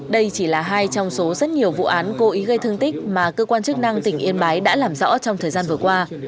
đây chỉ là hai trong số rất nhiều vụ án cố ý gây thương tích mà cơ quan chức năng tỉnh yên bái đã làm rõ trong thời gian vừa qua